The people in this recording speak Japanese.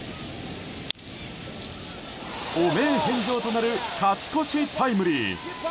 汚名返上となる勝ち越しタイムリー。